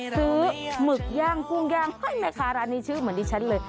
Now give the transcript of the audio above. หมึกย่างกุ้งย่างให้แม่ค้าร้านนี้ชื่อเหมือนดิฉันเลย